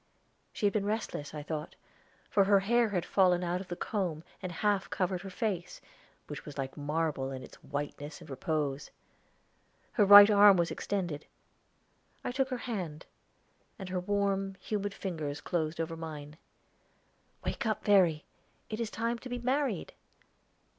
She had been restless, I thought, for her hair had fallen out of the comb and half covered her face, which was like marble in its whiteness and repose. Her right arm was extended; I took her hand, and her warm, humid fingers closed over mine. "Wake up, Verry; it is time to be married."